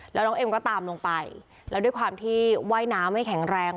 แล้วน้องเอ็มก็ตามลงไปแล้วด้วยความที่ว่ายน้ำไม่แข็งแรง